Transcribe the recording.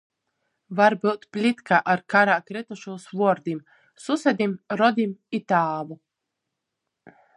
Varbyut plitka ar karā krytušūs vuordim – susedim, rodim i tāvu.